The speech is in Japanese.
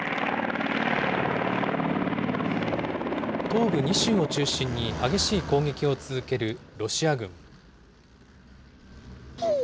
東部２州を中心に、激しい攻撃を続けるロシア軍。